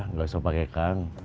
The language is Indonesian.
nggak usah pake kang